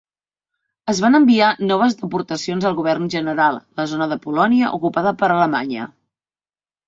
Es van enviar noves deportacions al Govern General, la zona de Polònia, ocupada per Alemanya.